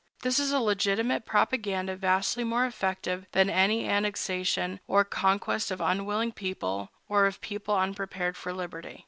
This is a legitimate propaganda vastly more effective than any annexation or conquest of unwilling people, or of people unprepared for liberty.